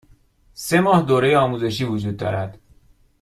سه ماه دوره آزمایشی وجود دارد.